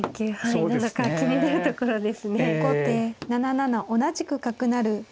後手７七同じく角成。